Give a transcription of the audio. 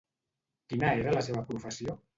Quina era la seva professió?